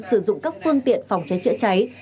sử dụng các phương tiện phòng cháy chữa cháy